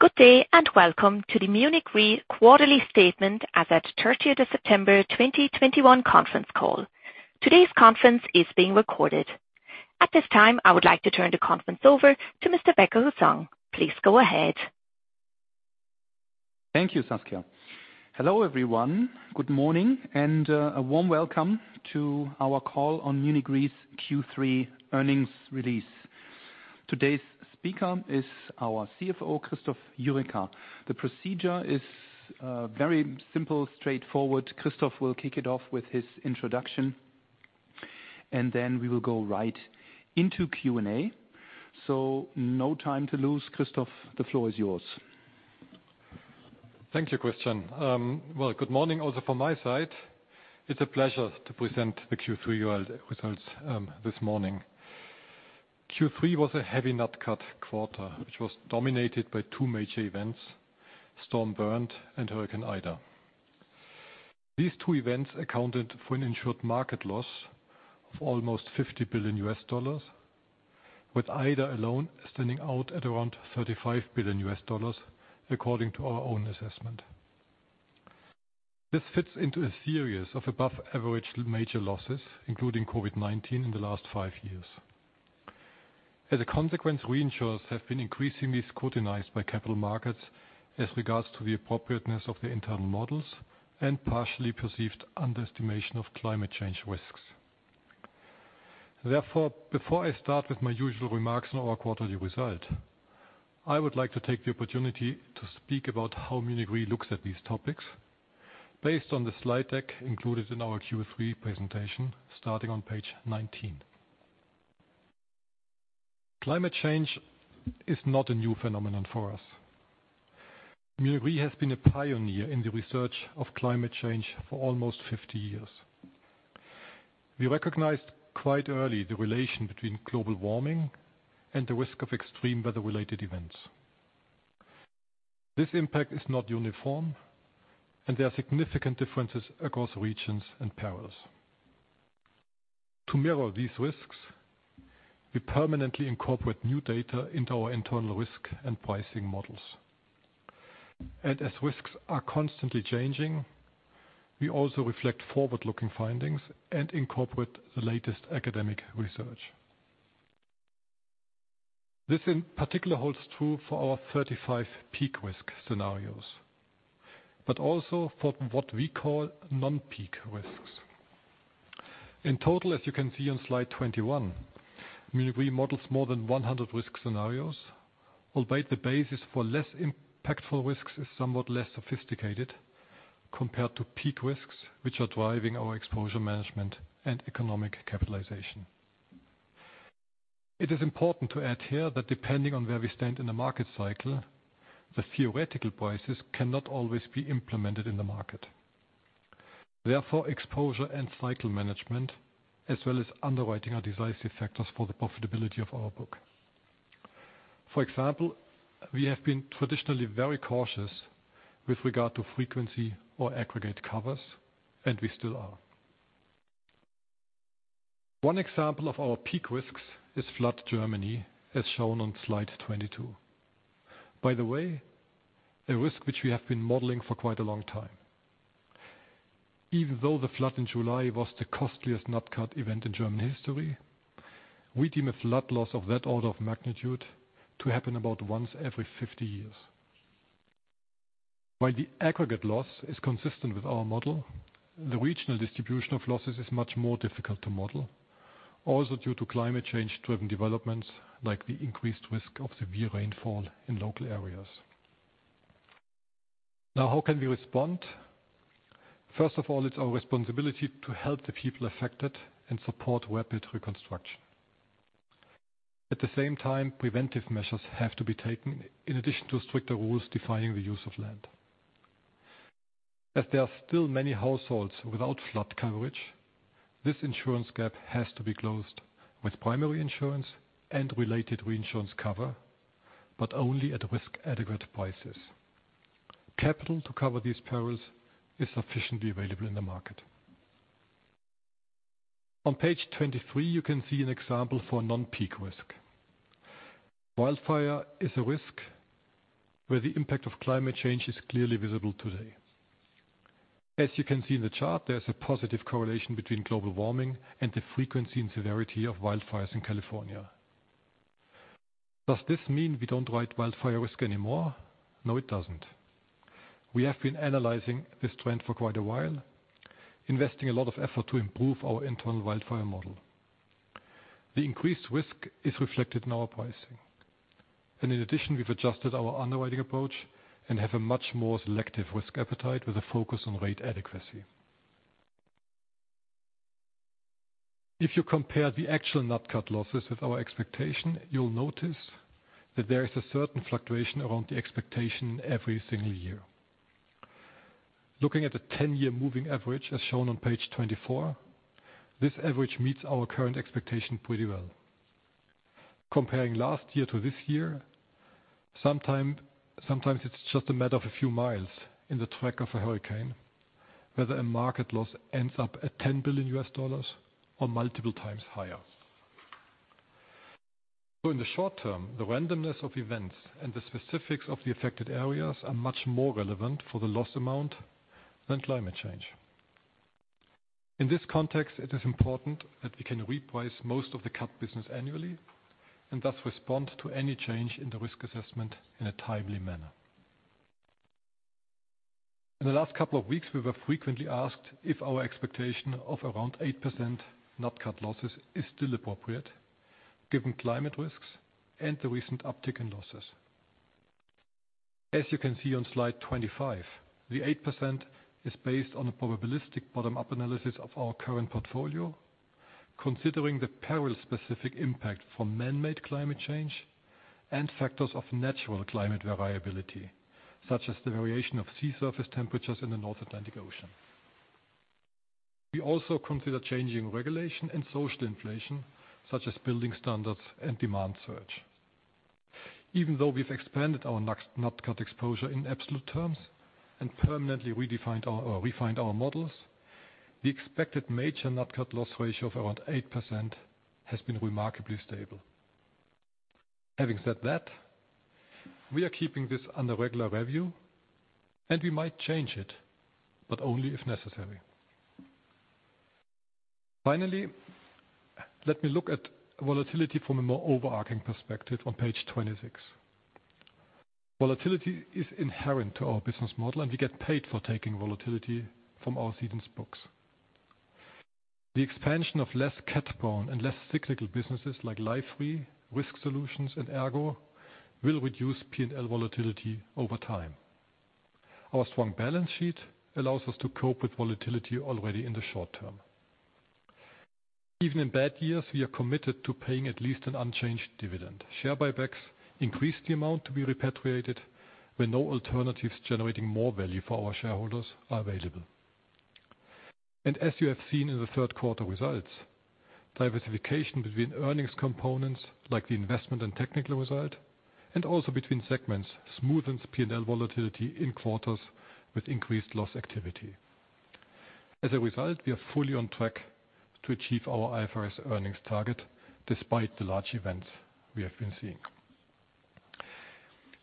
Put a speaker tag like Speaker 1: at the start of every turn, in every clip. Speaker 1: Good day and welcome to the Munich Re Quarterly Statement as at September 30th 2021 Conference Call. Today's conference is being recorded. At this time, I would like to turn the conference over to Mr. Becker-Hussong. Please go ahead.
Speaker 2: Thank you, Saskia. Hello everyone. Good morning and a warm welcome to our call on Munich Re's Q3 earnings release. Today's speaker is our CFO, Christoph Jurecka. The procedure is very simple, straightforward. Christoph will kick it off with his introduction, and then we will go right into Q&A. No time to lose. Christoph, the floor is yours.
Speaker 3: Thank you, Christian. Well, good morning also from my side. It's a pleasure to present the Q3 results this morning. Q3 was a heavy NatCat quarter, which was dominated by two major events, Storm Bernd and Hurricane Ida. These two events accounted for an insured market loss of almost $50 billion, with Ida alone standing out at around $35 billion, according to our own assessment. This fits into a series of above average major losses, including COVID-19 in the last five years. As a consequence, reinsurers have been increasingly scrutinized by capital markets as regards to the appropriateness of their internal models and partially perceived underestimation of climate change risks. Therefore, before I start with my usual remarks on our quarterly result, I would like to take the opportunity to speak about how Munich Re looks at these topics based on the slide deck included in our Q3 presentation, starting on page 19. Climate change is not a new phenomenon for us. Munich Re has been a pioneer in the research of climate change for almost 50 years. We recognized quite early the relation between global warming and the risk of extreme weather-related events. This impact is not uniform and there are significant differences across regions and perils. To mirror these risks, we permanently incorporate new data into our internal risk and pricing models. As risks are constantly changing, we also reflect forward-looking findings and incorporate the latest academic research. This in particular holds true for our 35 peak risk scenarios, but also for what we call non-peak risks. In total, as you can see on slide 21, Munich Re models more than 100 risk scenarios, albeit the basis for less impactful risks is somewhat less sophisticated compared to peak risks, which are driving our exposure management and economic capitalization. It is important to add here that depending on where we stand in the market cycle, the theoretical prices cannot always be implemented in the market. Therefore, exposure and cycle management, as well as underwriting, are decisive factors for the profitability of our book. For example, we have been traditionally very cautious with regard to frequency or aggregate covers, and we still are. One example of our peak risks is flood Germany, as shown on slide 22. By the way, a risk which we have been modeling for quite a long time. Even though the flood in July was the costliest NatCat event in German history, we deem a flood loss of that order of magnitude to happen about once every 50 years. While the aggregate loss is consistent with our model, the regional distribution of losses is much more difficult to model, also due to climate change-driven developments like the increased risk of severe rainfall in local areas. Now, how can we respond? First of all, it's our responsibility to help the people affected and support rapid reconstruction. At the same time, preventive measures have to be taken in addition to stricter rules defining the use of land. As there are still many households without flood coverage, this insurance gap has to be closed with primary insurance and related reinsurance cover, but only at risk-adequate prices. Capital to cover these perils is sufficiently available in the market. On page 23, you can see an example for a non-peak risk. Wildfire is a risk where the impact of climate change is clearly visible today. As you can see in the chart, there's a positive correlation between global warming and the frequency and severity of wildfires in California. Does this mean we don't write wildfire risk anymore? No, it doesn't. We have been analyzing this trend for quite a while, investing a lot of effort to improve our internal wildfire model. The increased risk is reflected in our pricing. In addition, we've adjusted our underwriting approach and have a much more selective risk appetite with a focus on rate adequacy. If you compare the actual NatCat losses with our expectation, you'll notice that there is a certain fluctuation around the expectation every single year. Looking at the 10-year moving average, as shown on page 24, this average meets our current expectation pretty well. Comparing last year to this year, sometime, sometimes it's just a matter of a few miles in the track of a hurricane. Whether a market loss ends up at $10 billion or multiple times higher. In the short term, the randomness of events and the specifics of the affected areas are much more relevant for the loss amount than climate change. In this context, it is important that we can reprice most of the Cat business annually, and thus respond to any change in the risk assessment in a timely manner. In the last couple of weeks, we were frequently asked if our expectation of around 8% non-Cat losses is still appropriate given climate risks and the recent uptick in losses. As you can see on slide 25, the 8% is based on a probabilistic bottom-up analysis of our current portfolio, considering the peril specific impact from man-made climate change and factors of natural climate variability, such as the variation of sea surface temperatures in the North Atlantic Ocean. We also consider changing regulation and social inflation, such as building standards and demand surge. Even though we've expanded our NatCat exposure in absolute terms and refined our models, the expected major NatCat loss ratio of around 8% has been remarkably stable. Having said that, we are keeping this under regular review, and we might change it, but only if necessary. Finally, let me look at volatility from a more overarching perspective on page 26. Volatility is inherent to our business model, and we get paid for taking volatility from our cedents' books. The expansion of less Cat-prone and less cyclical businesses like Life Re, risk solutions and ERGO will reduce P&L volatility over time. Our strong balance sheet allows us to cope with volatility already in the short term. Even in bad years, we are committed to paying at least an unchanged dividend. Share buybacks increase the amount to be repatriated when no alternatives generating more value for our shareholders are available. As you have seen in the third quarter results, diversification between earnings components like the investment and technical result, and also between segments smoothens P&L volatility in quarters with increased loss activity. As a result, we are fully on track to achieve our IFRS earnings target despite the large events we have been seeing.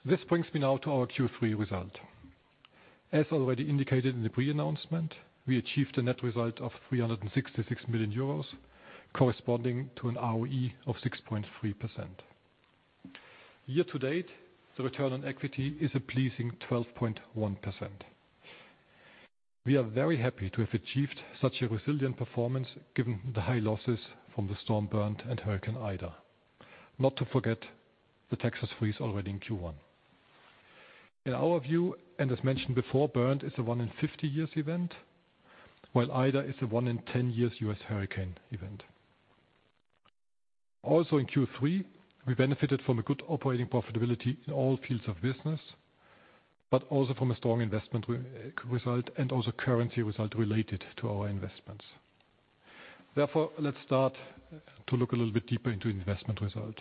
Speaker 3: This brings me now to our Q3 result. As already indicated in the pre-announcement, we achieved a net result of 366 million euros, corresponding to an ROE of 6.3%. Year to date, the return on equity is a pleasing 12.1%. We are very happy to have achieved such a resilient performance given the high losses from Storm Bernd and Hurricane Ida. Not to forget the Texas freeze already in Q1. In our view, and as mentioned before, Bernd is a 1-in-50-year event, while Ida is a 1-in-10-year U.S. hurricane event. Also in Q3, we benefited from a good operating profitability in all fields of business, but also from a strong investment result and also currency result related to our investments. Therefore, let's start to look a little bit deeper into investment result.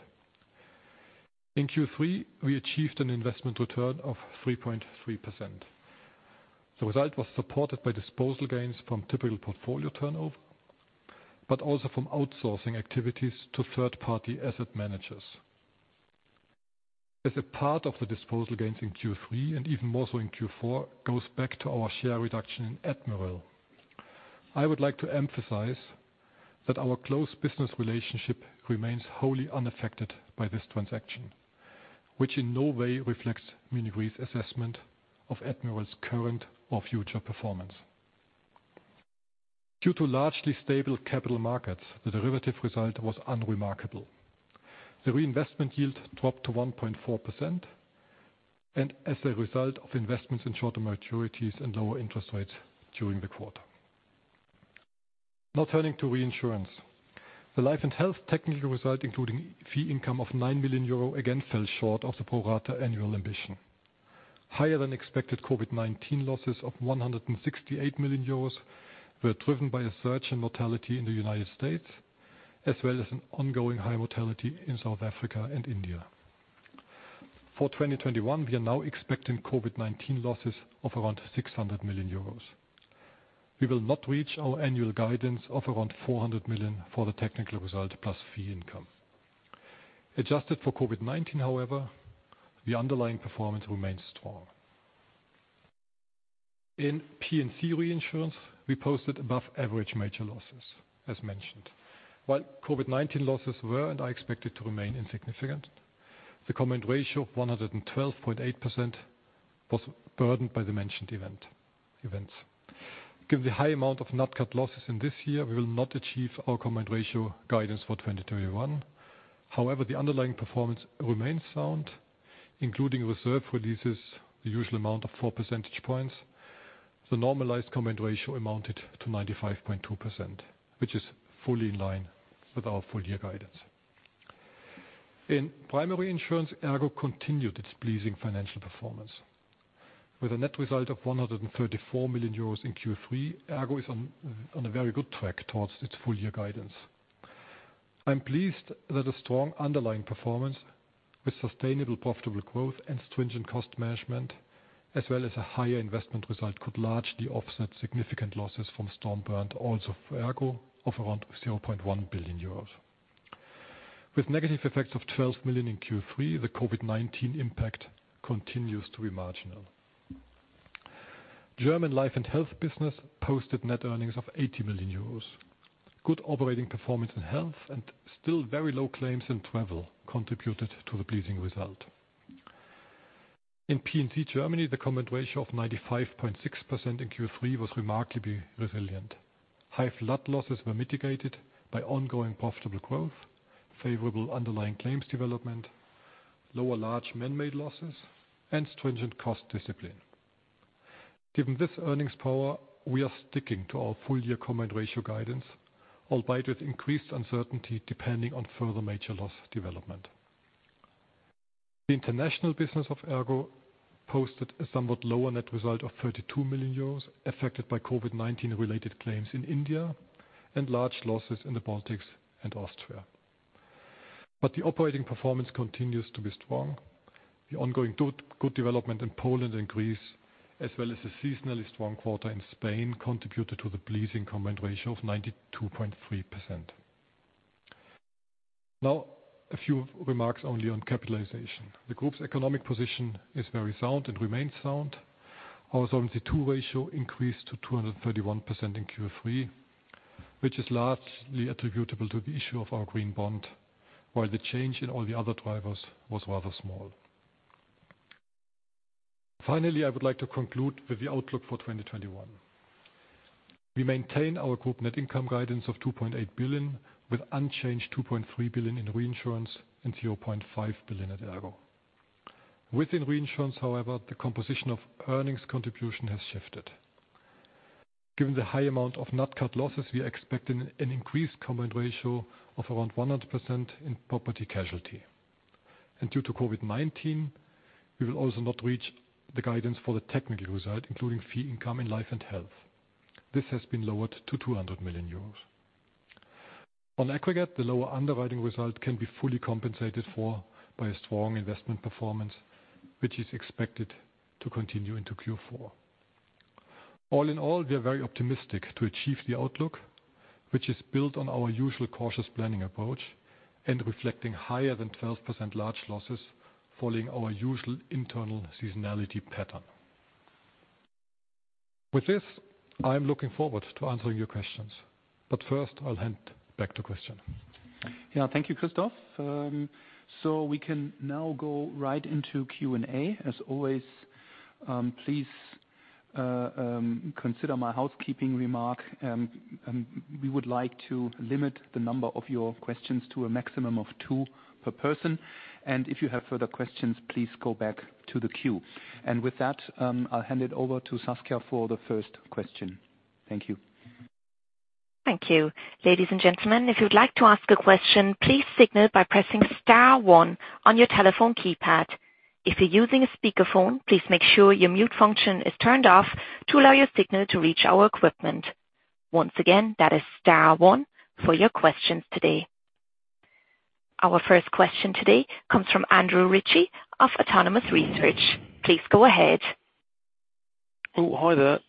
Speaker 3: In Q3, we achieved an investment return of 3.3%. The result was supported by disposal gains from typical portfolio turnover, but also from outsourcing activities to third-party asset managers. As a part of the disposal gains in Q3 and even more so in Q4 goes back to our share reduction in Admiral. I would like to emphasize that our close business relationship remains wholly unaffected by this transaction, which in no way reflects Munich Re's assessment of Admiral's current or future performance. Due to largely stable capital markets, the derivative result was unremarkable. The reinvestment yield dropped to 1.4%, and as a result of investments in shorter maturities and lower interest rates during the quarter. Now turning to reinsurance. The Life and Health technical result, including fee income of 9 million euro, again, fell short of the pro rata annual ambition. Higher than expected COVID-19 losses of 168 million euros were driven by a surge in mortality in the United States, as well as an ongoing high mortality in South Africa and India. For 2021, we are now expecting COVID-19 losses of around 600 million euros. We will not reach our annual guidance of around 400 million for the technical result plus fee income. Adjusted for COVID-19, however, the underlying performance remains strong. In P&C reinsurance, we posted above average major losses, as mentioned. While COVID-19 losses were, and are expected to remain insignificant, the combined ratio of 112.8% was burdened by the mentioned events. Given the high amount of NatCat losses in this year, we will not achieve our combined ratio guidance for 2021. However, the underlying performance remains sound, including reserve releases the usual amount of 4 percentage points. The normalized combined ratio amounted to 95.2%, which is fully in line with our full year guidance. In primary insurance, ERGO continued its pleasing financial performance. With a net result of 134 million euros in Q3, ERGO is on a very good track towards its full year guidance. I'm pleased that a strong underlying performance with sustainable profitable growth and stringent cost management, as well as a higher investment result, could largely offset significant losses from Storm Bernd also for ERGO of around 0.1 billion euros. With negative effects of 12 million in Q3, the COVID-19 impact continues to be marginal. German Life and Health business posted net earnings of 80 million euros. Good operating performance in health and still very low claims in travel contributed to the pleasing result. In P&C Germany, the combined ratio of 95.6% in Q3 was remarkably resilient. High flood losses were mitigated by ongoing profitable growth, favorable underlying claims development, lower large man-made losses, and stringent cost discipline. Given this earnings power, we are sticking to our full year combined ratio guidance, albeit with increased uncertainty depending on further major loss development. The international business of ERGO posted a somewhat lower net result of 32 million euros, affected by COVID-19 related claims in India and large losses in the Baltics and Austria. The operating performance continues to be strong. The ongoing good development in Poland and Greece, as well as a seasonally strong quarter in Spain, contributed to the pleasing combined ratio of 92.3%. Now, a few remarks only on capitalization. The group's economic position is very sound and remains sound. Our Solvency II ratio increased to 231% in Q3, which is largely attributable to the issue of our green bond, while the change in all the other drivers was rather small. Finally, I would like to conclude with the outlook for 2021. We maintain our group net income guidance of 2.8 billion, with unchanged 2.3 billion in reinsurance and 0.5 billion at ERGO. Within reinsurance, however, the composition of earnings contribution has shifted. Given the high amount of NatCat losses, we are expecting an increased combined ratio of around 100% in Property & Casualty. Due to COVID-19, we will also not reach the guidance for the technical result, including fee income in Life and Health. This has been lowered to 200 million euros. On aggregate, the lower underwriting result can be fully compensated for by a strong investment performance, which is expected to continue into Q4. All in all, we are very optimistic to achieve the outlook, which is built on our usual cautious planning approach and reflecting higher than 12% large losses following our usual internal seasonality pattern. With this, I am looking forward to answering your questions. First, I'll hand back to Christian.
Speaker 2: Yeah. Thank you, Christoph. So we can now go right into Q&A. As always, please consider my housekeeping remark. We would like to limit the number of your questions to a maximum of two per person. If you have further questions, please go back to the queue. With that, I'll hand it over to Saskia for the first question. Thank you.
Speaker 1: Thank you. Ladies and gentlemen, if you'd like to ask a question, please signal by pressing star one on your telephone keypad. If you're using a speakerphone, please make sure your mute function is turned off to allow your signal to reach our equipment. Once again, that is star one for your questions today. Our first question today comes from Andrew Ritchie of Autonomous Research. Please go ahead.
Speaker 4: Oh, hi there.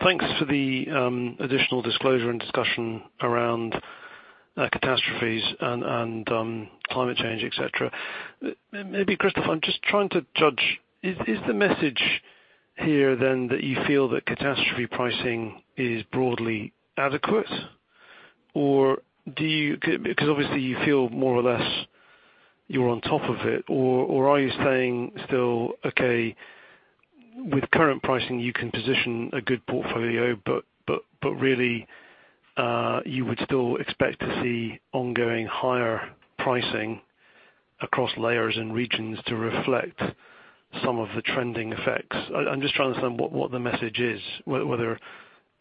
Speaker 4: Thanks for the additional disclosure and discussion around catastrophes and climate change, et cetera. Maybe, Christoph, I'm just trying to judge. Is the message here then that you feel that catastrophe pricing is broadly adequate? Or do you... because obviously you feel more or less you're on top of it. Or are you saying still, okay, with current pricing you can position a good portfolio, but really you would still expect to see ongoing higher pricing across layers and regions to reflect some of the trending effects. I'm just trying to understand what the message is. Whether it's okay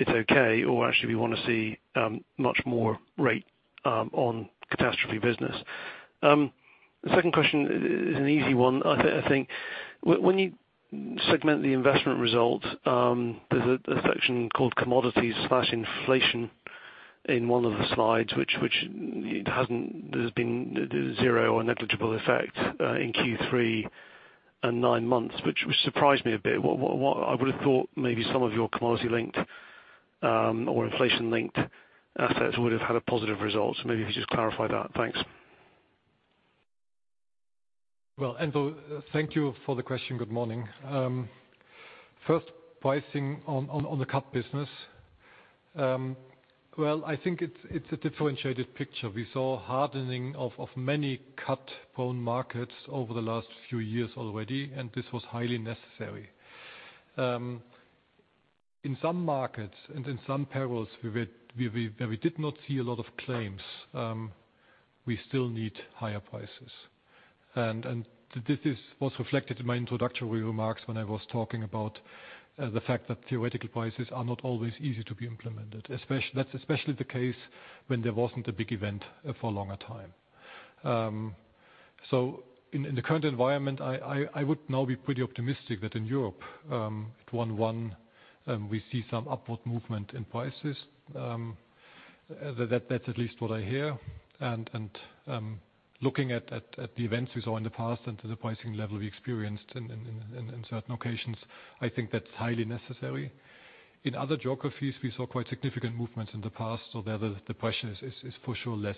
Speaker 4: or actually we wanna see much more rate on catastrophe business. The second question is an easy one. I think when you segment the investment results, there's a section called commodities slash inflation in one of the slides which it hasn't, there's been zero or negligible effect in Q3 and nine months, which surprised me a bit. What I would have thought maybe some of your commodity-linked or inflation-linked assets would have had a positive result. Maybe if you just clarify that. Thanks.
Speaker 3: Well, Andrew, thank you for the question. Good morning. First pricing on the Cat business. Well, I think it's a differentiated picture. We saw hardening of many Cat bond markets over the last few years already, and this was highly necessary. In some markets and in some perils, where we did not see a lot of claims, we still need higher prices. This is what's reflected in my introductory remarks when I was talking about the fact that theoretical prices are not always easy to be implemented. That's especially the case when there wasn't a big event for a longer time. In the current environment, I would now be pretty optimistic that in Europe at 1/1 we see some upward movement in prices. That's at least what I hear. Looking at the events we saw in the past and to the pricing level we experienced in certain occasions, I think that's highly necessary. In other geographies, we saw quite significant movements in the past. There the question is for sure less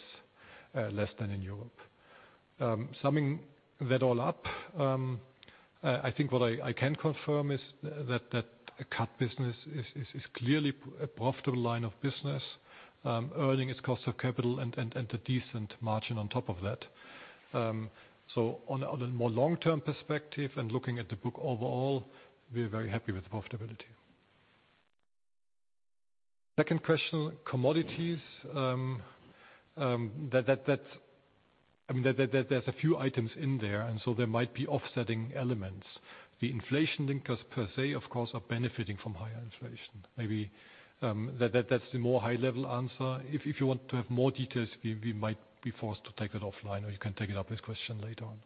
Speaker 3: than in Europe. Summing that all up, I think what I can confirm is that a Cat business is clearly a profitable line of business, earning its cost of capital and a decent margin on top of that. On a more long-term perspective and looking at the book overall, we're very happy with the profitability. Second question, commodities. That... I mean, there's a few items in there, and so there might be offsetting elements. The inflation link per se of course, are benefiting from higher inflation. Maybe, that's the more high level answer. If you want to have more details, we might be forced to take it offline, or you can take it up as question later on.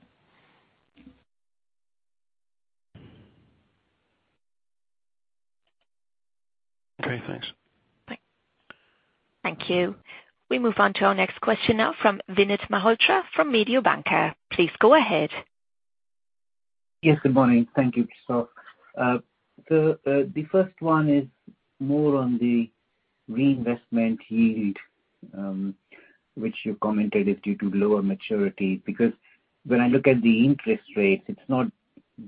Speaker 4: Okay, thanks.
Speaker 1: Thank you. We move on to our next question now from Vinit Malhotra from Mediobanca. Please go ahead.
Speaker 5: Yes, good morning. Thank you, Christoph. The first one is more on the reinvestment yield, which you commented is due to lower maturity. Because when I look at the interest rates, it's not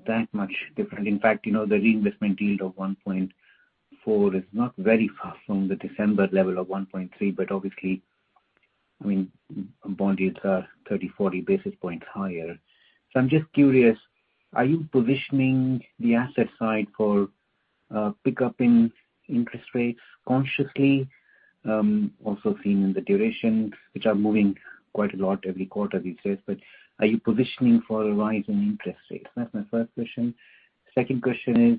Speaker 5: that much different. In fact, you know, the reinvestment yield of 1.4 is not very far from the December level of 1.3. But obviously, I mean, bond yields are 30, 40 basis points higher. So I'm just curious, are you positioning the asset side for pickup in interest rates consciously? Also seen in the duration, which are moving quite a lot every quarter these days. But are you positioning for a rise in interest rates? That's my first question. Second question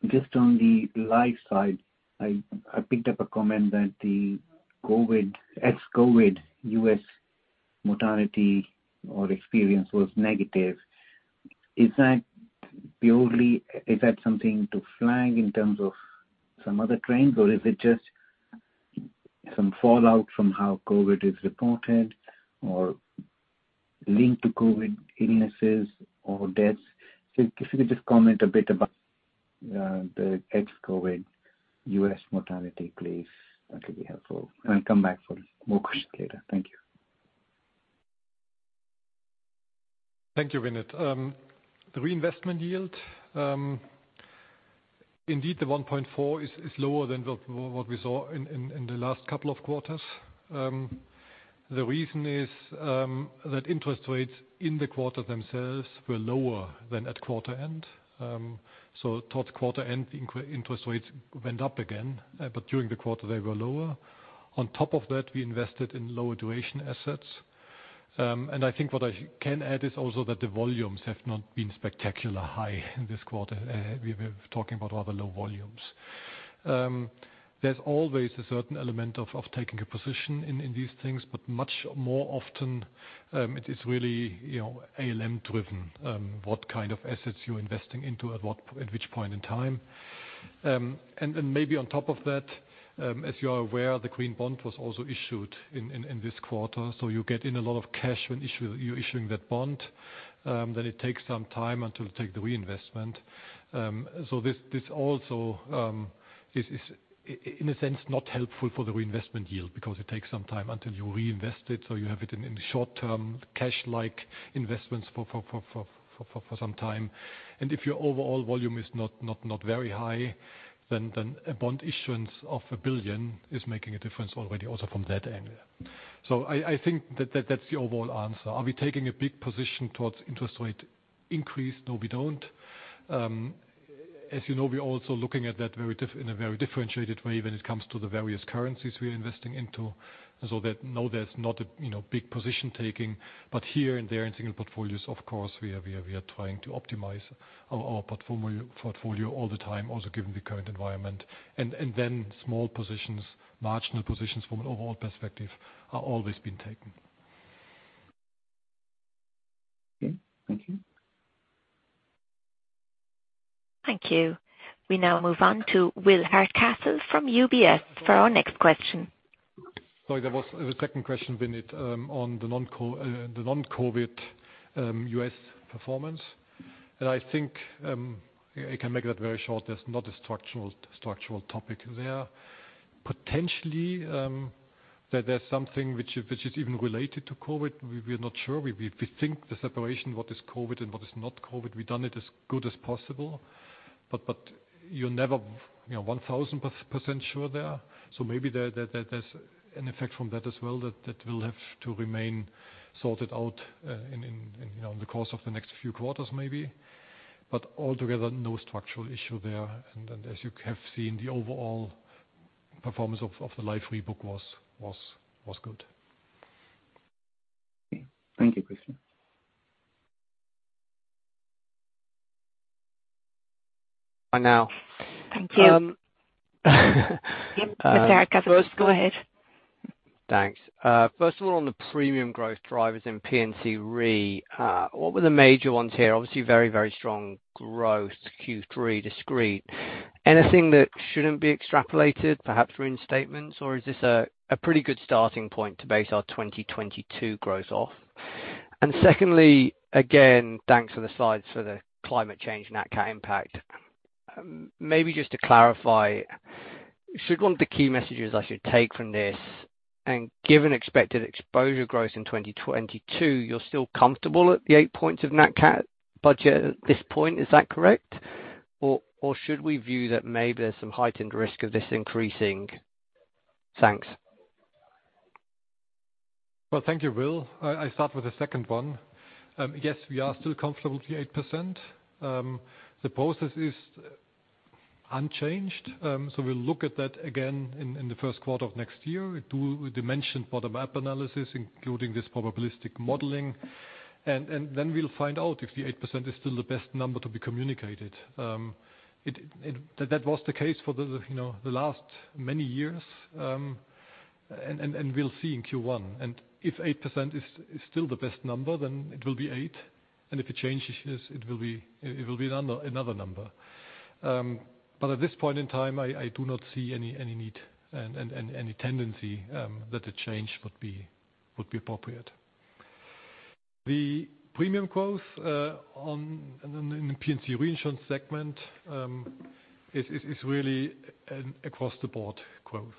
Speaker 5: is, just on the Life side, I picked up a comment that the COVID, ex-COVID U.S. mortality or experience was negative. Is that purely, is that something to flag in terms of some other trends, or is it just some fallout from how COVID is reported or linked to COVID illnesses or deaths? So if you could just comment a bit about the ex-COVID US mortality, please. That'll be helpful. I'll come back for more questions later. Thank you.
Speaker 3: Thank you, Vinit. The reinvestment yield. Indeed, the 1.4 is lower than what we saw in the last couple of quarters. The reason is that interest rates in the quarter themselves were lower than at quarter end. So towards quarter end, the interest rates went up again, but during the quarter, they were lower. On top of that, we invested in lower duration assets. I think what I can add is also that the volumes have not been spectacular high in this quarter. We're talking about rather low volumes. There's always a certain element of taking a position in these things, but much more often, it is really, you know, ALM driven, what kind of assets you're investing into, at which point in time. Maybe on top of that, as you are aware, the green bond was also issued in this quarter. You get in a lot of cash when you're issuing that bond. Then it takes some time until you take the reinvestment. So this also is in a sense not helpful for the reinvestment yield because it takes some time until you reinvest it. You have it in the short term, cash-like investments for some time. If your overall volume is not very high, then a bond issuance of 1 billion is making a difference already also from that angle. I think that's the overall answer. Are we taking a big position towards interest rate increase? No, we don't. As you know, we're also looking at that in a very differentiated way when it comes to the various currencies we're investing into. That, no, there's not a, you know, big position taking. Here and there in single portfolios, of course, we are trying to optimize our portfolio all the time, also given the current environment. Small positions, marginal positions from an overall perspective are always being taken.
Speaker 5: Okay. Thank you.
Speaker 1: Thank you. We now move on to Will Hardcastle from UBS for our next question.
Speaker 3: Sorry, there was the second question, Vinit, on the non-COVID U.S. performance. I think I can make that very short. There's not a structural topic there. Potentially, there's something which is even related to COVID. We're not sure. We think the separation, what is COVID and what is not COVID, we've done it as good as possible. But you're never, you know, 1,000% sure there. Maybe there's an effect from that as well that will have to remain sorted out in you know, in the course of the next few quarters maybe. Altogether, no structural issue there. As you have seen, the overall performance of the Life Re was good.
Speaker 5: Okay. Thank you, Christian.
Speaker 3: I know.
Speaker 6: Thank you.
Speaker 7: Um,
Speaker 6: Go ahead.
Speaker 7: Thanks. First of all, on the premium growth drivers in P&C Re, what were the major ones here? Obviously, very, very strong growth, Q3 discrete. Anything that shouldn't be extrapolated, perhaps reinstatements, or is this a pretty good starting point to base our 2022 growth off? And secondly, again, thanks for the slides for the climate change NatCat impact. Maybe just to clarify, should one of the key messages I should take from this, and given expected exposure growth in 2022, you're still comfortable at the 8 points of NatCat budget at this point, is that correct? Or should we view that maybe there's some heightened risk of this increasing? Thanks.
Speaker 3: Well, thank you, Will. I start with the second one. Yes, we are still comfortable with the 8%. The process is unchanged, so we'll look at that again in the first quarter of next year. We'll dimension bottom-up analysis, including this probabilistic modeling, and then we'll find out if the 8% is still the best number to be communicated. That was the case for the, you know, the last many years. We'll see in Q1. If 8% is still the best number, then it will be eight. If it changes, it will be another number. At this point in time, I do not see any need and any tendency that the change would be appropriate. The premium growth on in the P&C reinsurance segment is really an across-the-board growth.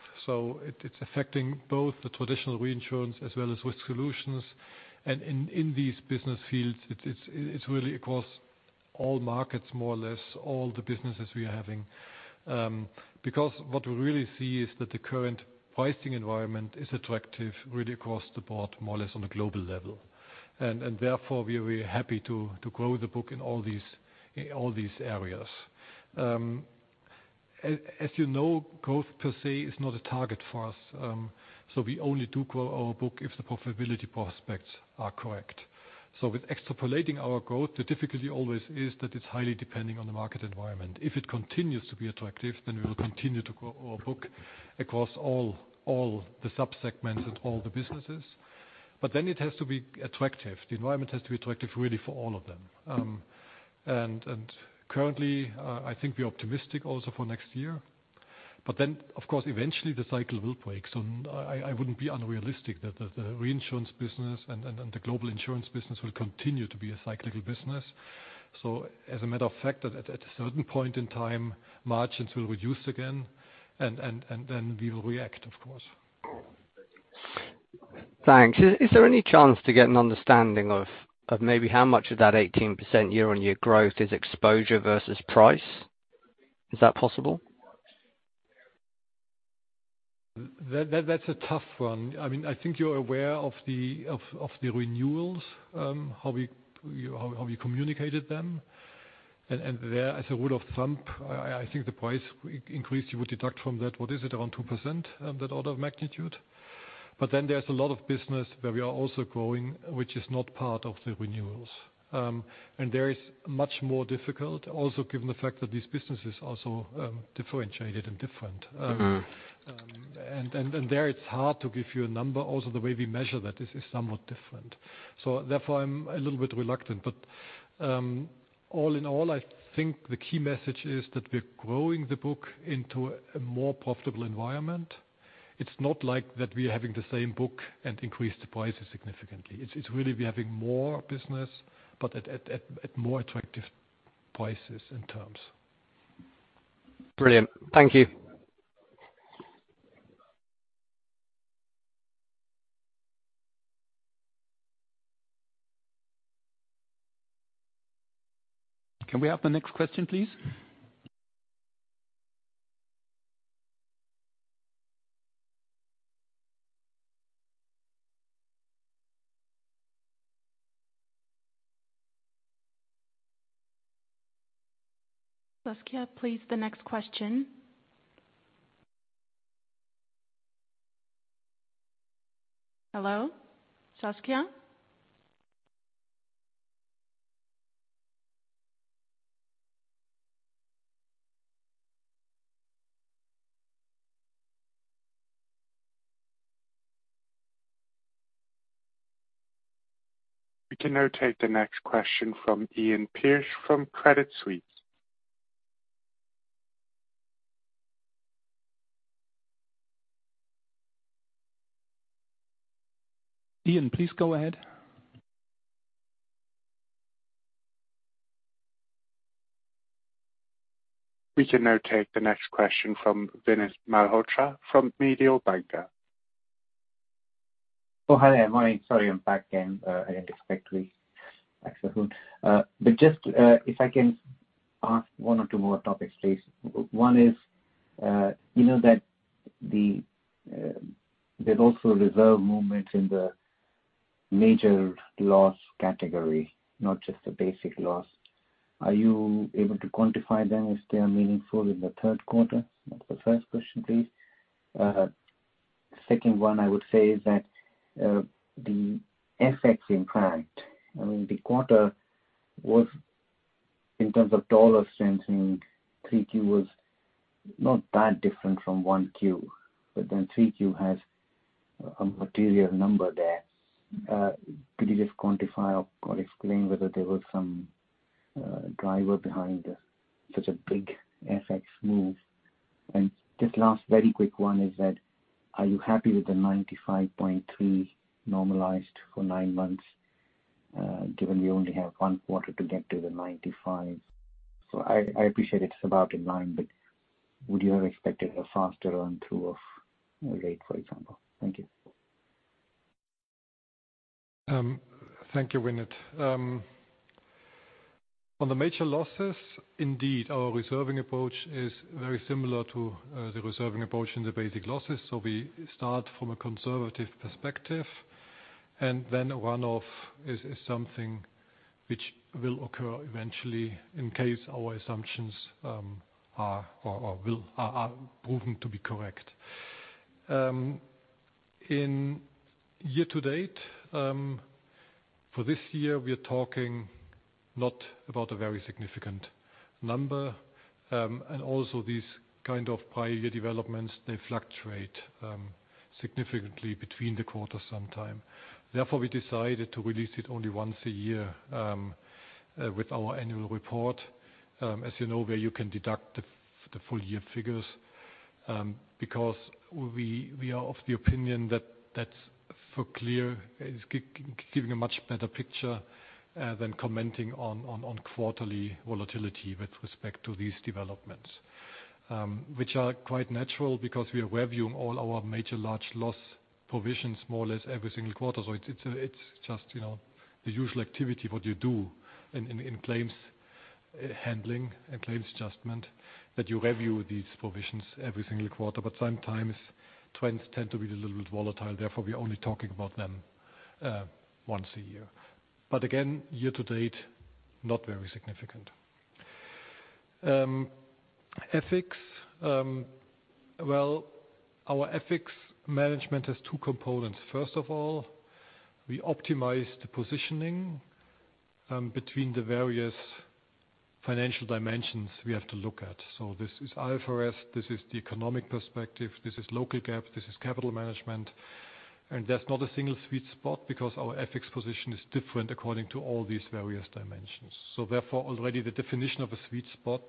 Speaker 3: It's affecting both the traditional reinsurance as well as Risk Solutions. In these business fields, it's really across all markets, more or less, all the businesses we are having. Because what we really see is that the current pricing environment is attractive really across the board, more or less on a global level. Therefore, we are really happy to grow the book in all these areas. As you know, growth per se is not a target for us. We only do grow our book if the profitability prospects are correct. With extrapolating our growth, the difficulty always is that it's highly depending on the market environment. If it continues to be attractive, then we will continue to grow our book across all the subsegments and all the businesses. It has to be attractive. The environment has to be attractive, really, for all of them. Currently, I think we're optimistic also for next year. Of course, eventually the cycle will break. I wouldn't be unrealistic that the reinsurance business and the global insurance business will continue to be a cyclical business. As a matter of fact, at a certain point in time, margins will reduce again and then we will react, of course.
Speaker 7: Thanks. Is there any chance to get an understanding of maybe how much of that 18% year-on-year growth is exposure versus price? Is that possible?
Speaker 3: That's a tough one. I mean, I think you're aware of the renewals, how we communicated them. There, as a rule of thumb, I think the price increase you would deduct from that. What is it? Around 2%, that order of magnitude. There's a lot of business where we are also growing, which is not part of the renewals. There it's much more difficult also given the fact that these businesses also differentiated and different.
Speaker 7: Mm-hmm.
Speaker 3: There, it's hard to give you a number. Also, the way we measure that is somewhat different. Therefore, I'm a little bit reluctant. All in all, I think the key message is that we're growing the book into a more profitable environment. It's not like that we're having the same book and increased the prices significantly. It's really we're having more business, but at more attractive prices and terms.
Speaker 7: Brilliant. Thank you.
Speaker 3: Can we have the next question, please?
Speaker 6: Saskia, please, the next question. Hello? Saskia?
Speaker 2: We can now take the next question from Iain Pearce from Credit Suisse.
Speaker 3: Iain, please go ahead.
Speaker 2: We can now take the next question from Vinit Malhotra from Mediobanca.
Speaker 5: Oh, hi there. Morning. Sorry I'm back again, unexpectedly. But just if I can ask one or two more topics, please. One is, you know that there's also reserve movements in the major loss category, not just the basic loss. Are you able to quantify them if they are meaningful in the third quarter? That's the first question, please. Second one I would say is that, the FX impact. I mean, the quarter was in terms of dollar strengthening, Q3 was not that different from Q1. But then Q3 has a material number there. Could you just quantify or explain whether there was some driver behind such a big FX move? Just last very quick one is that are you happy with the 95.3% normalized for nine months, given we only have one quarter to get to the 95%? I appreciate it's about in line, but would you have expected a faster run through of rate, for example? Thank you.
Speaker 3: Thank you Vinit. On the major losses, indeed, our reserving approach is very similar to the reserving approach in the basic losses. We start from a conservative perspective and then run off is something which will occur eventually in case our assumptions are proven to be correct. In year to date, for this year, we are talking not about a very significant number. Also these kind of prior year developments, they fluctuate significantly between the quarters sometimes. Therefore, we decided to release it only once a year with our annual report. As you know, where you can deduct the full year figures. Because we are of the opinion that that's, for clarity, is giving a much better picture than commenting on quarterly volatility with respect to these developments. Which are quite natural because we are reviewing all our major large loss provisions more or less every single quarter. It's just, you know, the usual activity, what you do in claims handling and claims adjustment that you review these provisions every single quarter. Sometimes trends tend to be a little bit volatile. Therefore, we're only talking about them once a year. Again, year to date, not very significant. FX. Well, our FX management has two components. First of all, we optimize the positioning between the various financial dimensions we have to look at. This is IFRS, this is the economic perspective, this is local GAAP, this is capital management. There's not a single sweet spot because our FX position is different according to all these various dimensions. Therefore, already the definition of a sweet spot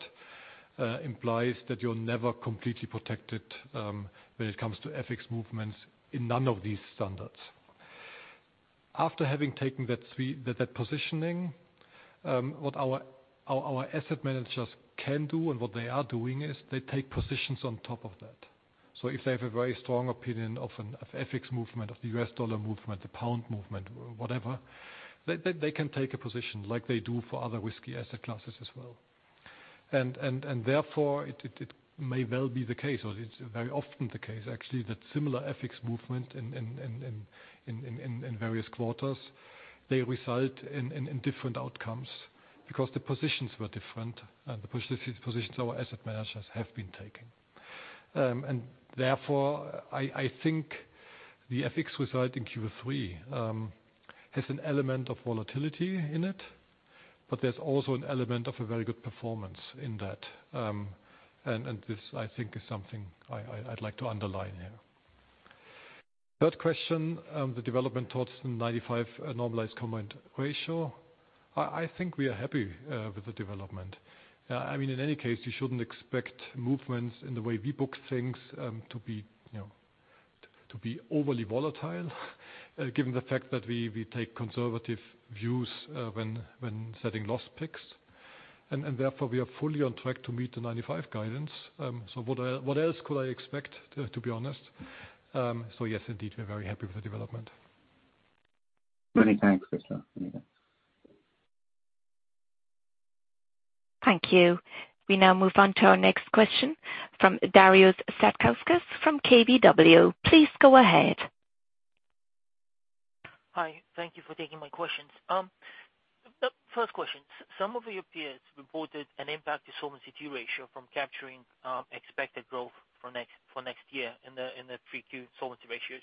Speaker 3: implies that you're never completely protected when it comes to FX movements in none of these standards. After having taken that positioning, what our asset managers can do and what they are doing is they take positions on top of that. If they have a very strong opinion of an FX movement, of the US dollar movement, the pound movement, whatever, they can take a position like they do for other risky asset classes as well. Therefore, it may well be the case, or it's very often the case actually, that similar FX movement in various quarters, they result in different outcomes because the positions were different. The positions our asset managers have been taking. Therefore, I think the FX result in Q3 has an element of volatility in it, but there's also an element of a very good performance in that. This, I think, is something I'd like to underline here. Third question, the development towards the 95% normalized combined ratio. I think we are happy with the development. I mean, in any case, you shouldn't expect movements in the way we book things, to be, you know, to be overly volatile, given the fact that we take conservative views, when setting loss picks. Therefore, we are fully on track to meet the 95 guidance. What else could I expect, to be honest? Yes, indeed, we're very happy with the development.
Speaker 5: Many thanks, Christoph. Many thanks.
Speaker 1: Thank you. We now move on to our next question from Darius Satkauskas from KBW. Please go ahead.
Speaker 8: Hi. Thank you for taking my questions. First question. Some of your peers reported an impact to Solvency II ratio from capturing expected growth for next year in the Q3 solvency ratios.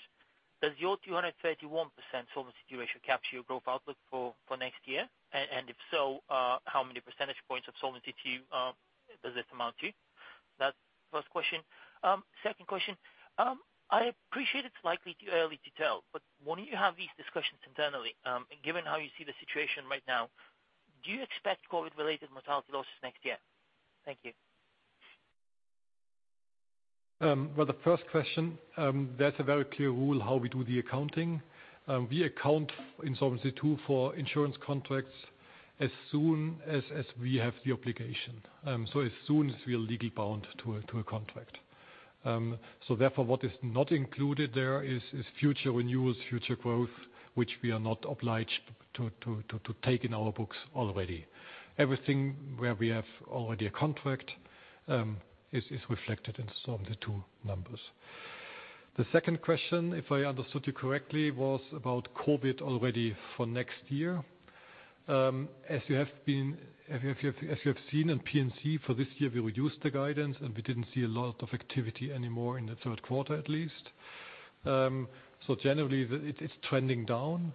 Speaker 8: Does your 231% solvency ratio capture your growth outlook for next year? And if so, how many percentage points of Solvency II does this amount to? That's first question. Second question. I appreciate it's likely too early to tell, but when you have these discussions internally and given how you see the situation right now, do you expect COVID-related mortality losses next year? Thank you.
Speaker 3: Well, the first question, that's a very clear rule how we do the accounting. We account in Solvency II for insurance contracts as soon as we have the obligation. So as soon as we are legally bound to a contract. Therefore, what is not included there is future renewals, future growth, which we are not obliged to take in our books already. Everything where we have already a contract is reflected in Solvency II numbers. The second question, if I understood you correctly, was about COVID already for next year. As you have seen in P&C for this year, we reduced the guidance, and we didn't see a lot of activity anymore in the third quarter, at least. Generally it is trending down.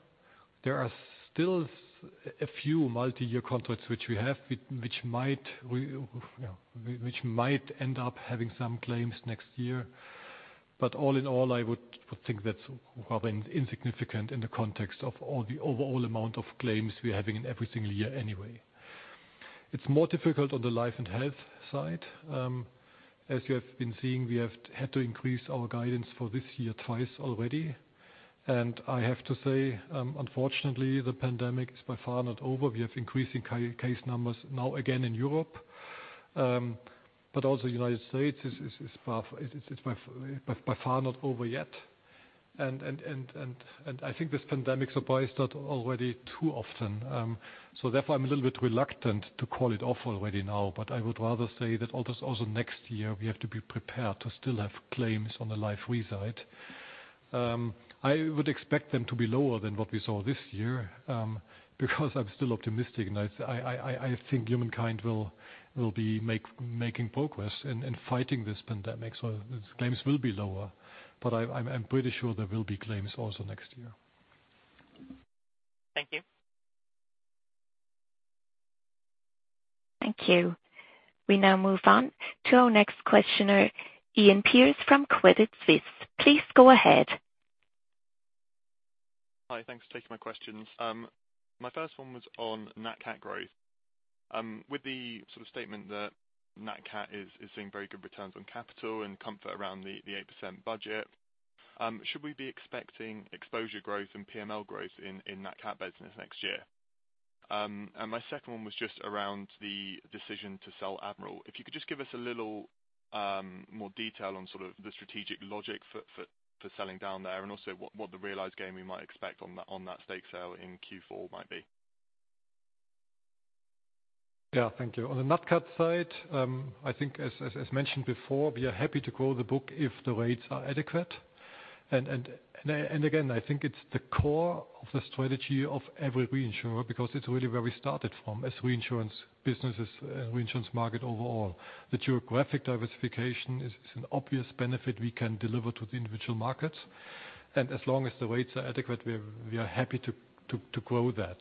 Speaker 3: There are still a few multi-year contracts which we have, which might, you know, end up having some claims next year. All in all, I would think that's rather insignificant in the context of all the overall amount of claims we're having in every single year anyway. It's more difficult on the Life and Health side. As you have been seeing, we have had to increase our guidance for this year twice already. I have to say, unfortunately, the pandemic is by far not over. We have increasing case numbers now again in Europe. Also the United States is by far not over yet. I think this pandemic surprised us already too often. Therefore, I'm a little bit reluctant to call it off already now, but I would rather say that also next year, we have to be prepared to still have claims on the Life Re side. I would expect them to be lower than what we saw this year, because I'm still optimistic, and I think humankind will be making progress in fighting this pandemic. Those claims will be lower. I'm pretty sure there will be claims also next year.
Speaker 8: Thank you.
Speaker 1: Thank you. We now move on to our next questioner, Iain Pearce from Credit Suisse. Please go ahead.
Speaker 9: Hi. Thanks for taking my questions. My first one was on NatCat growth. With the sort of statement that NatCat is seeing very good returns on capital and comfort around the 8% budget, should we be expecting exposure growth and PML growth in NatCat business next year? My second one was just around the decision to sell Admiral. If you could just give us a little more detail on sort of the strategic logic for selling down there and also what the realized gain we might expect on that stake sale in Q4 might be.
Speaker 3: Yeah. Thank you. On the NatCat side, I think as mentioned before, we are happy to grow the book if the rates are adequate. Again, I think it's the core of the strategy of every reinsurer because it's really where we started from as reinsurance businesses, reinsurance market overall. The geographic diversification is an obvious benefit we can deliver to the individual markets. As long as the rates are adequate, we are happy to grow that.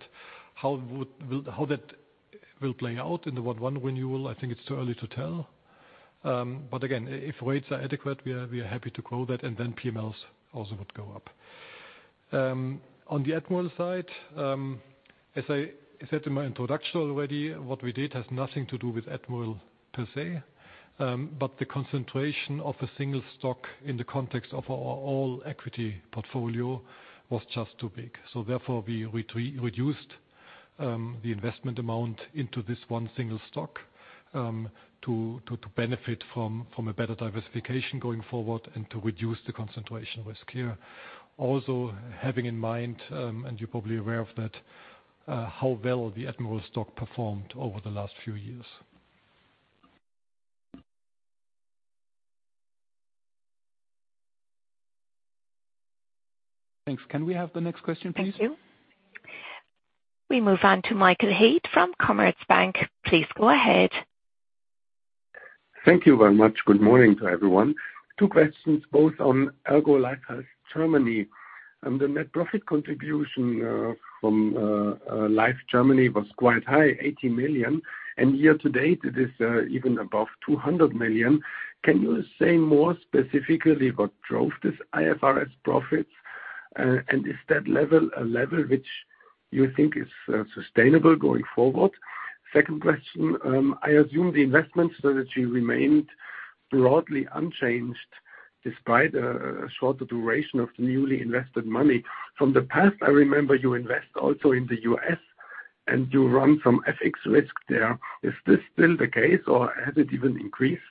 Speaker 3: How that will play out in the 1/1 renewal, I think it's too early to tell. Again, if rates are adequate, we are happy to grow that, and then PMLs also would go up. On the Admiral side, as I said in my introduction already, what we did has nothing to do with Admiral per se. The concentration of a single stock in the context of our all equity portfolio was just too big. Therefore, we reduced the investment amount into this one single stock to benefit from a better diversification going forward and to reduce the concentration risk here. Also, having in mind, and you're probably aware of that, how well the Admiral stock performed over the last few years. Thanks. Can we have the next question, please?
Speaker 1: Thank you. We move on to Michael Haid from Commerzbank. Please go ahead.
Speaker 10: Thank you very much. Good morning to everyone. Two questions, both on ERGO Life Health Germany. The net profit contribution from Life Germany was quite high, 80 million. Year to date, it is even above 200 million. Can you say more specifically what drove this IFRS profits? And is that level a level which you think is sustainable going forward? Second question. I assume the investment strategy remained broadly unchanged despite a shorter duration of the newly invested money. From the past, I remember you invest also in the U.S., and you run some FX risk there. Is this still the case, or has it even increased?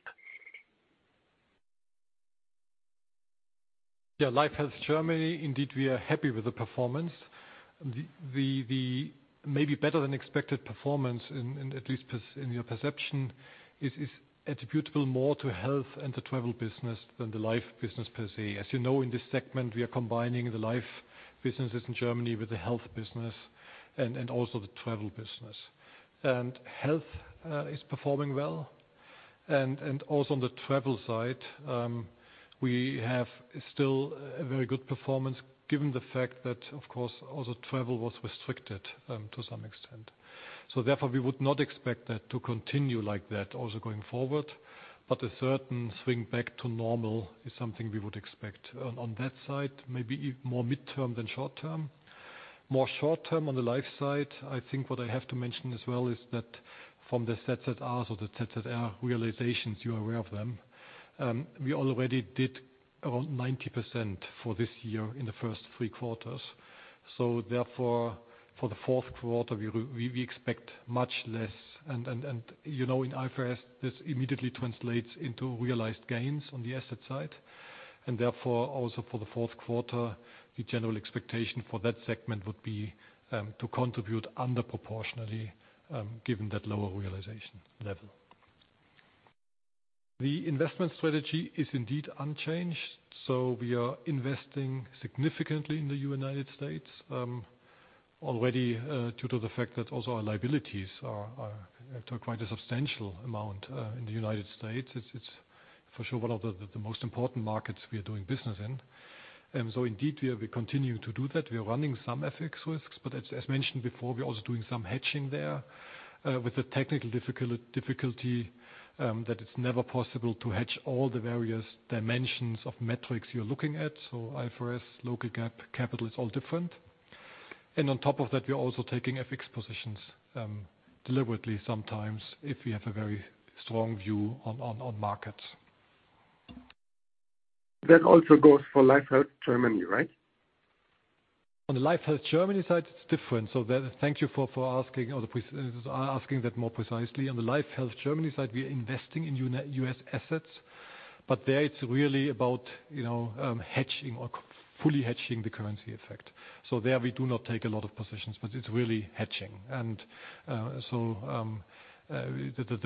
Speaker 3: Yeah. Life/Health Germany, indeed, we are happy with the performance. The maybe better than expected performance in at least in your perception is attributable more to health and the travel business than the Life business per se. As you know, in this segment, we are combining the Life businesses in Germany with the health business and also the travel business. Health is performing well. Also on the travel side, we have still a very good performance given the fact that, of course, also travel was restricted to some extent. Therefore, we would not expect that to continue like that also going forward. A certain swing back to normal is something we would expect on that side, maybe more midterm than short term. More short term on the Life side, I think what I have to mention as well is that from the SSRs or the SSR realizations, you're aware of them, we already did around 90% for this year in the first three quarters. Therefore, for the fourth quarter, we expect much less. You know, in IFRS, this immediately translates into realized gains on the asset side. Therefore, also for the fourth quarter, the general expectation for that segment would be to contribute under proportionally, given that lower realization level. The investment strategy is indeed unchanged. We are investing significantly in the United States, already, due to the fact that also our liabilities are to quite a substantial amount in the United States. It's for sure one of the most important markets we are doing business in. Indeed, we continue to do that. We are running some FX risks, but as mentioned before, we're also doing some hedging there, with the technical difficulty that it's never possible to hedge all the various dimensions of metrics you're looking at. IFRS, local GAAP, capital is all different. On top of that, we are also taking FX positions deliberately sometimes if we have a very strong view on markets.
Speaker 10: That also goes for Life/Health Germany, right?
Speaker 3: On the Life/Health Germany side, it's different. There, thank you for asking that more precisely. On the Life/Health Germany side, we are investing in US assets, but there it's really about, you know, hedging or fully hedging the currency effect. There we do not take a lot of positions, but it's really hedging. The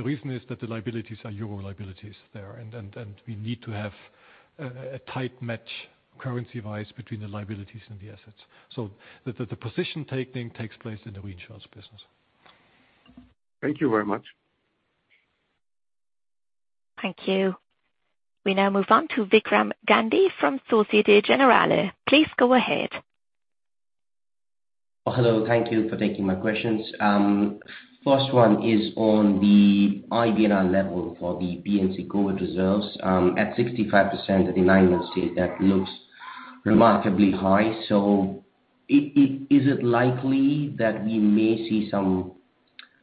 Speaker 3: reason is that the liabilities are euro liabilities there. We need to have a tight match currency-wise between the liabilities and the assets. The position taking takes place in the reinsurance business.
Speaker 10: Thank you very much.
Speaker 1: Thank you. We now move on to Vikram Gandhi from Société Générale. Please go ahead.
Speaker 11: Oh, hello. Thank you for taking my questions. First one is on the IBNR level for the P&C COVID reserves. At 65% at the nine-month stage, that looks remarkably high. Is it likely that we may see some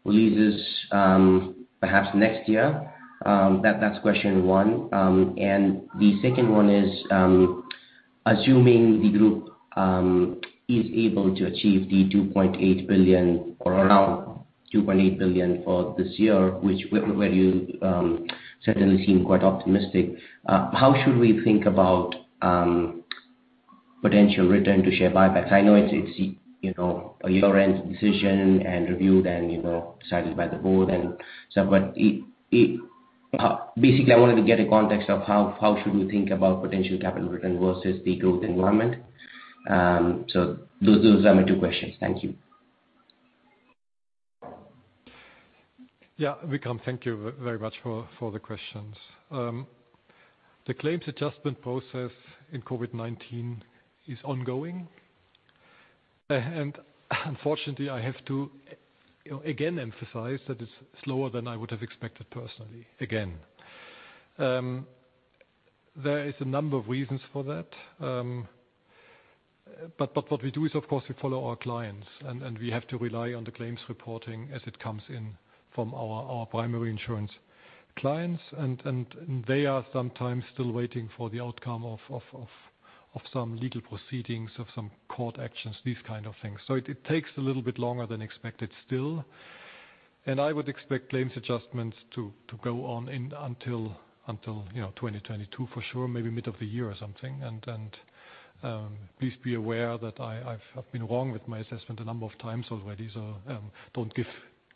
Speaker 11: releases, perhaps next year? That's question one. The second one is, assuming the group is able to achieve the 2.8 billion or around 2.8 billion for this year, which you're certainly seem quite optimistic, how should we think about potential return to share buybacks? I know it's you know a year-end decision and reviewed and you know decided by the board and so, but it basically I wanted to get a context of how we should think about potential capital return versus the growth environment. Those are my two questions. Thank you.
Speaker 3: Yeah. Vikram, thank you very much for the questions. The claims adjustment process in COVID-19 is ongoing. Unfortunately, I have to again emphasize that it's slower than I would have expected personally, again. There is a number of reasons for that. But what we do is, of course, we follow our clients, and we have to rely on the claims reporting as it comes in from our primary insurance clients. They are sometimes still waiting for the outcome of some legal proceedings, of some court actions, these kind of things. So it takes a little bit longer than expected still. I would expect claims adjustments to go on until you know, 2022 for sure, maybe mid of the year or something. Please be aware that I've been wrong with my assessment a number of times already, so don't give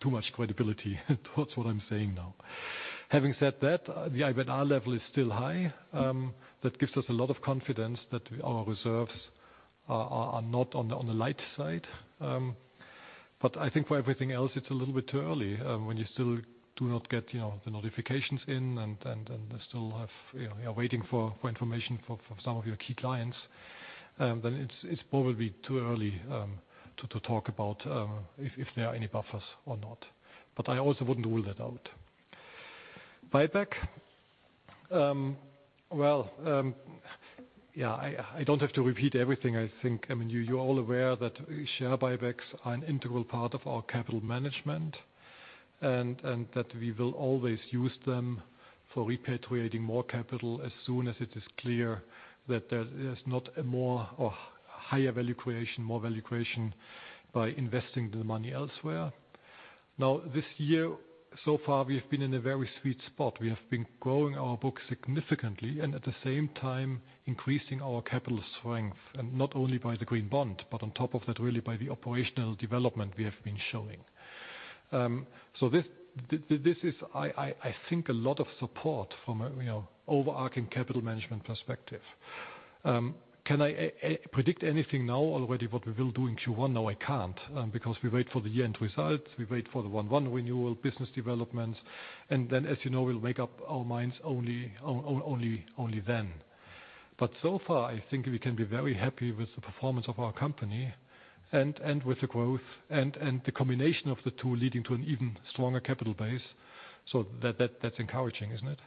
Speaker 3: too much credibility towards what I'm saying now. Having said that, the IBNR level is still high. That gives us a lot of confidence that our reserves are not on the light side. But I think for everything else, it's a little bit too early, when you still do not get, you know, the notifications in and still have, you know, you are waiting for information from some of your key clients. Then it's probably too early to talk about if there are any buffers or not. I also wouldn't rule that out. Buyback. Well, yeah, I don't have to repeat everything, I think. I mean, you're all aware that share buybacks are an integral part of our capital management and that we will always use them for repatriating more capital as soon as it is clear that there's not a more or higher value creation by investing the money elsewhere. Now, this year, so far, we have been in a very sweet spot. We have been growing our book significantly and at the same time increasing our capital strength, and not only by the green bond, but on top of that, really by the operational development we have been showing. This is, I think a lot of support from a, you know, overarching capital management perspective. Can I predict anything now already what we will do in Q1? No, I can't, because we wait for the year-end results. We wait for the 1/1 renewal business developments. Then, as you know, we'll make up our minds only then. So far, I think we can be very happy with the performance of our company and with the growth and the combination of the two leading to an even stronger capital base. That's encouraging, isn't it?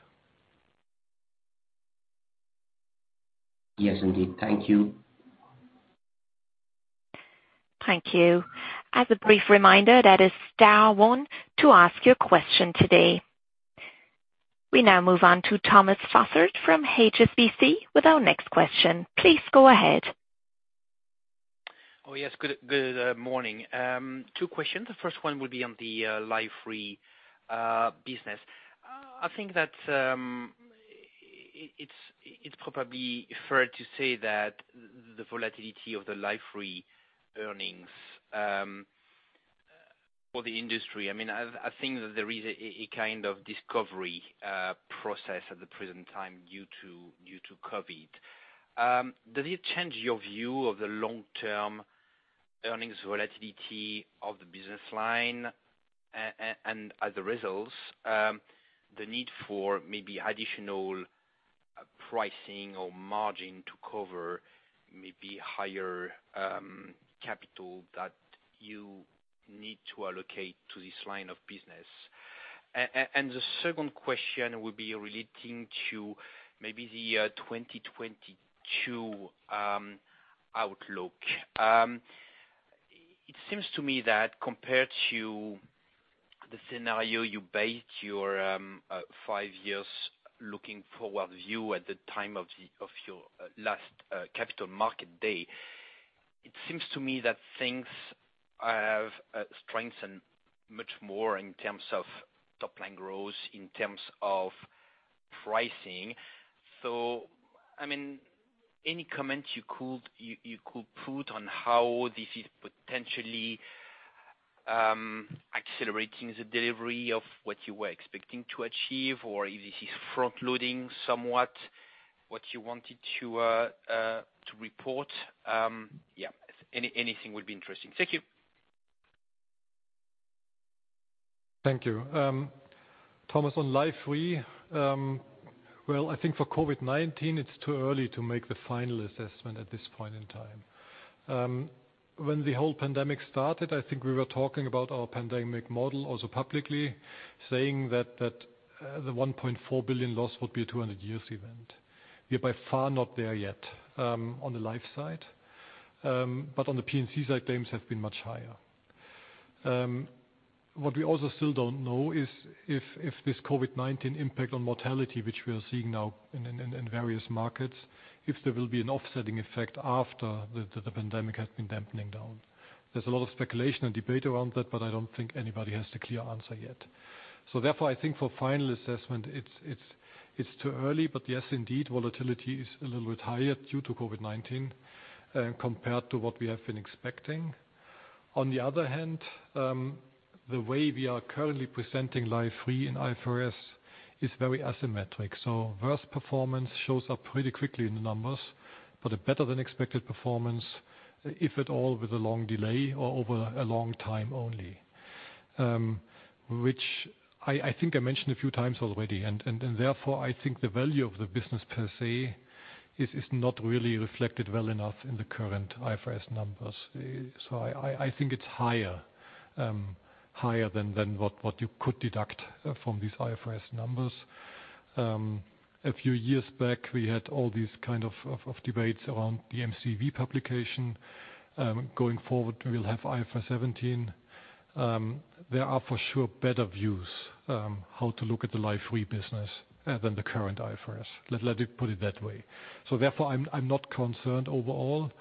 Speaker 11: Yes, indeed. Thank you.
Speaker 1: Thank you. As a brief reminder, dial star one to ask your question today. We now move on to Thomas Fossard from HSBC with our next question. Please go ahead.
Speaker 12: Oh, yes. Good morning. Two questions. The first one will be on the Life Re business. I think that it's probably fair to say that the volatility of the Life Re earnings for the industry. I mean, I think that there is a kind of discovery process at the present time due to COVID. Does it change your view of the long-term earnings volatility of the business line? And as a result, the need for maybe additional pricing or margin to cover maybe higher capital that you need to allocate to this line of business. And the second question would be relating to maybe the 2022 outlook. It seems to me that compared to the scenario you based your five years looking forward view at the time of your last capital market day. It seems to me that things have strengthened much more in terms of top-line growth, in terms of pricing. I mean, any comments you could put on how this is potentially accelerating the delivery of what you were expecting to achieve, or if this is frontloading somewhat what you wanted to report? Yeah, anything would be interesting. Thank you.
Speaker 3: Thank you. Thomas, on Life Re, well, I think for COVID-19, it's too early to make the final assessment at this point in time. When the whole pandemic started, I think we were talking about our pandemic model, also publicly, saying that the 1.4 billion loss would be a 200-year event. We are by far not there yet, on the Life side. But on the P&C side, claims have been much higher. What we also still don't know is if this COVID-19 impact on mortality, which we are seeing now in various markets, if there will be an offsetting effect after the pandemic has been dying down. There's a lot of speculation and debate around that, but I don't think anybody has the clear answer yet. Therefore, I think for final assessment, it's too early. Yes, indeed, volatility is a little bit higher due to COVID-19 compared to what we have been expecting. On the other hand, the way we are currently presenting Life Re in IFRS is very asymmetric. Worse performance shows up pretty quickly in the numbers. A better-than-expected performance, if at all, with a long delay or over a long time only. Which I think I mentioned a few times already, and therefore, I think the value of the business per se is not really reflected well enough in the current IFRS numbers. I think it's higher than what you could deduct from these IFRS numbers. A few years back, we had all these kind of debates around the MCEV publication. Going forward, we'll have IFRS 17. There are for sure better views how to look at the Life Re business than the current IFRS. Let me put it that way. Therefore, I'm not concerned overall.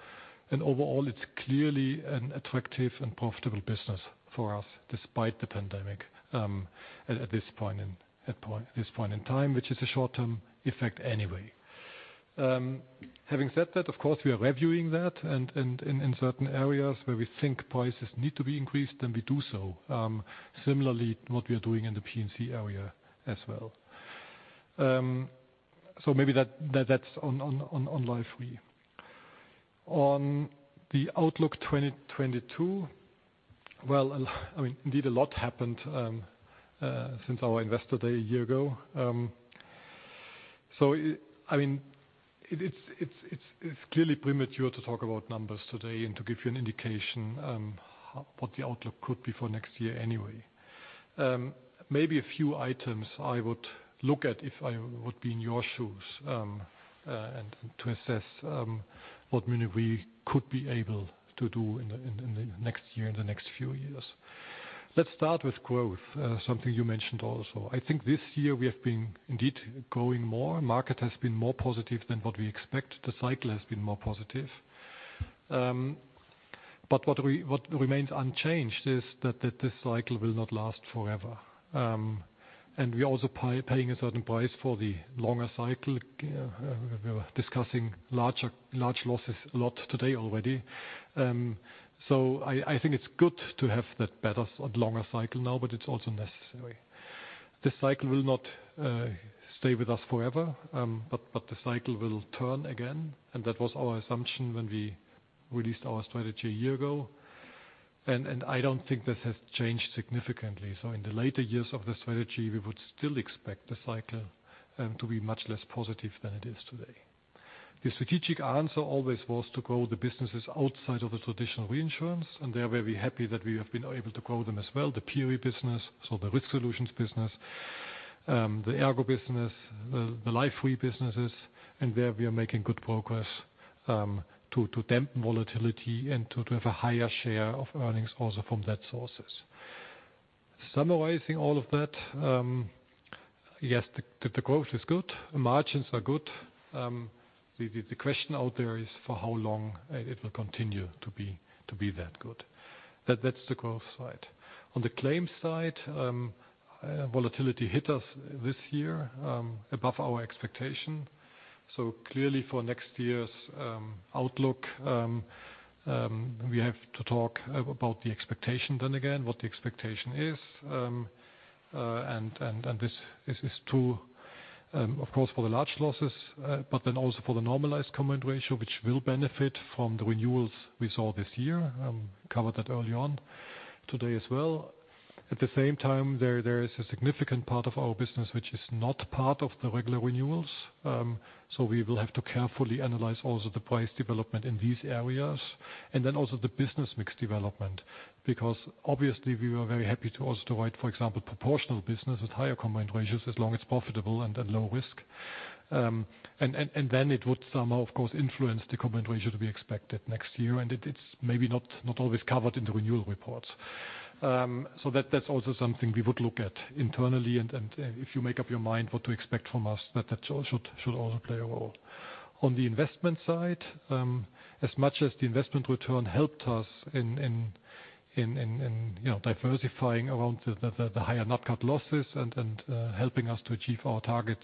Speaker 3: Overall, it's clearly an attractive and profitable business for us, despite the pandemic, at this point in time, which is a short-term effect anyway. Having said that, of course, we are reviewing that. In certain areas where we think prices need to be increased, then we do so. Similarly, what we are doing in the P&C area as well. Maybe that's on Life Re. On the outlook 2022, well, I mean, indeed, a lot happened since our Investor Day a year ago. I mean, it's clearly premature to talk about numbers today and to give you an indication what the outlook could be for next year anyway. Maybe a few items I would look at if I would be in your shoes and to assess what maybe we could be able to do in the next year, in the next few years. Let's start with growth, something you mentioned also. I think this year we have been indeed growing more. Market has been more positive than what we expect. The cycle has been more positive. What remains unchanged is that this cycle will not last forever. We're also paying a certain price for the longer cycle. We were discussing large losses a lot today already. I think it's good to have that better, longer cycle now, but it's also necessary. This cycle will not stay with us forever. The cycle will turn again, and that was our assumption when we released our strategy a year ago. I don't think this has changed significantly. In the later years of the strategy, we would still expect the cycle to be much less positive than it is today. The strategic answer always was to grow the businesses outside of the traditional reinsurance, and we are very happy that we have been able to grow them as well. The P&C business, so the risk solutions business, the ERGO business, the Life Re businesses. There, we are making good progress to damp volatility and to have a higher share of earnings also from that sources. Summarizing all of that, yes, the growth is good. Margins are good. The question out there is for how long it will continue to be that good. That's the growth side. On the claims side, volatility hit us this year above our expectation. Clearly, for next year's outlook, we have to talk about the expectation then again. What the expectation is, and this is too, of course, for the large losses, but then also for the normalized combined ratio, which will benefit from the renewals we saw this year. Covered that early on today as well. At the same time, there is a significant part of our business which is not part of the regular renewals. We will have to carefully analyze also the price development in these areas, then also the business mix development, because obviously we were very happy to also write, for example, proportional business with higher combined ratios, as long as profitable and at low risk, then it would somehow, of course, influence the combined ratio to be expected next year. It's maybe not always covered in the renewal reports. That's also something we would look at internally. If you make up your mind what to expect from us, that should also play a role. On the investment side, as much as the investment return helped us in you know, diversifying around the higher NatCat losses and helping us to achieve our targets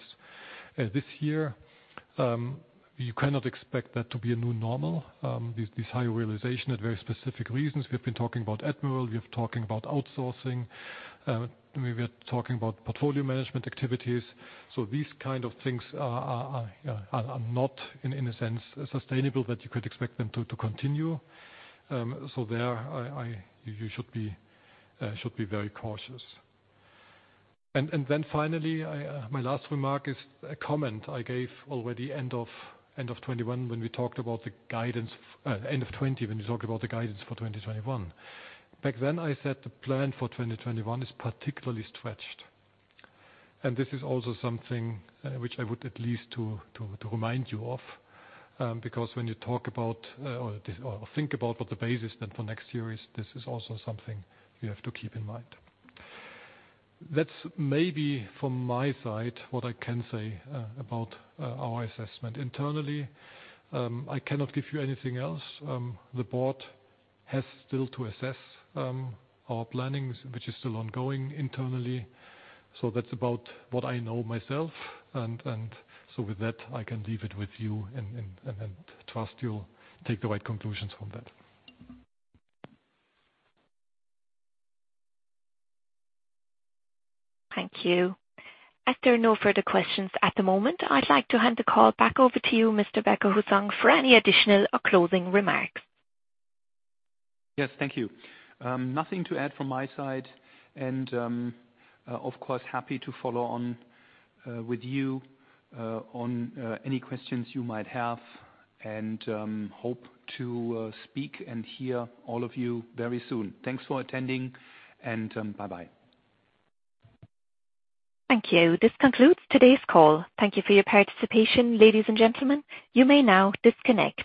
Speaker 3: this year, you cannot expect that to be a new normal. These high realizations had very specific reasons. We have been talking about Admiral, we have been talking about outsourcing, we were talking about portfolio management activities. These kind of things are not, in a sense, sustainable that you could expect them to continue. Therefore, you should be very cautious. Finally, my last remark is a comment I gave already end of 2021 when we talked about the guidance. End of 2020, when you talk about the guidance for 2021. Back then I said the plan for 2021 is particularly stretched. This is also something which I would at least to remind you of. Because when you talk about or think about what the basis then for next year is, this is also something you have to keep in mind. That's maybe from my side, what I can say about our assessment. Internally, I cannot give you anything else. The board has still to assess our plannings, which is still ongoing internally. That's about what I know myself. With that, I can leave it with you and trust you'll take the right conclusions from that.
Speaker 1: Thank you. As there are no further questions at the moment. I'd like to hand the call back over to you, Mr. Becker-Hussong, for any additional or closing remarks.
Speaker 2: Yes, thank you. Nothing to add from my side. Of course, happy to follow on with you on any questions you might have. Hope to speak and hear all of you very soon. Thanks for attending and bye-bye.
Speaker 1: Thank you. This concludes today's call. Thank you for your participation, ladies and gentlemen. You may now disconnect.